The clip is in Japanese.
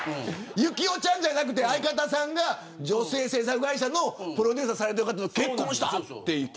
行雄ちゃんじゃなくて相方さんが女性制作会社のプロデューサーされている方と結婚したっていう。